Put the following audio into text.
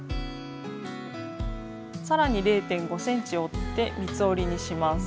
さらに０．５ｃｍ折って三つ折りにします。